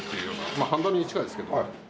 まあはんだに近いですけど。